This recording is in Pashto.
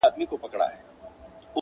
پر مخ د مځکي د جنتونو -